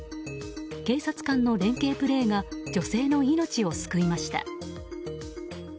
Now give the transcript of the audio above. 警察官の連係プレーが女性の命を救いました。